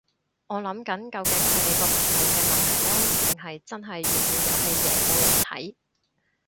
我諗緊究竟係你個頻道嘅問題呢，定係真係粵語遊戲嘢冇人睇